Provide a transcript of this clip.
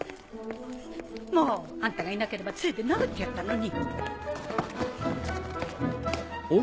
もう！あんたがいなければ杖で殴ってやったのに！